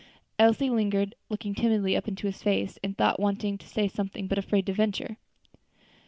Elsie lingered, looking timidly up into his face as though wanting to say something, but afraid to venture.